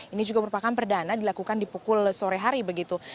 ini juga merupakan perdana dilakukan di pukul sore hari begitu